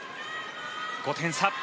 ５点差。